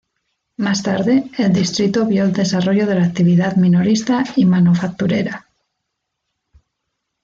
Más tarde, el distrito vio el desarrollo de la actividad minorista y manufacturera.